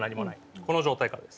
この状態からです。